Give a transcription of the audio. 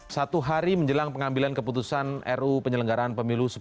satu hari menjelang pengambilan keputusan ruu penyelenggaraan pemilu